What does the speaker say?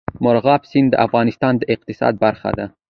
مورغاب سیند د افغانستان د اقتصاد برخه ده.